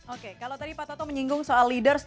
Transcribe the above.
oke kalau tadi pak toto menyinggung soal leaders